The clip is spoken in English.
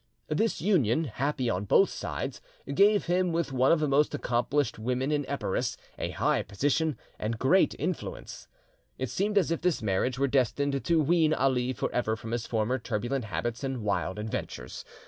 This union, happy on both sides, gave him, with one of the most accomplished women in Epirus, a high position and great influence. It seemed as if this marriage were destined to wean Ali forever from his former turbulent habits and wild adventures.